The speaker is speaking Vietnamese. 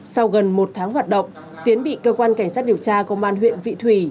sau gần một tháng hoạt động tiến bị cơ quan cảnh sát điều tra công an huyện vị thủy